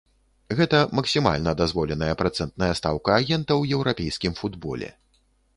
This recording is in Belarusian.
Гэта максімальна дазволеная працэнтная стаўка агента ў еўрапейскім футболе.